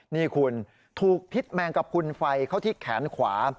นี่คุณถูกพิษแมงกระพุนไฟเข้าที่แขนขวา